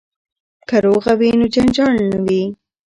که روغه وي نو جنجال نه وي.